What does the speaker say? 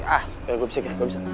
ah biar gue bersihkan gue bisa